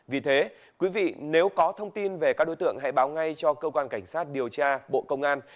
vì thế quý vị nếu có thông tin về các đối tượng hãy báo ngay cho cơ quan cảnh sát điều tra bộ công an